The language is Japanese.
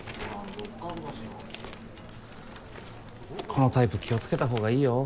このタイプ気をつけたほうがいいよ。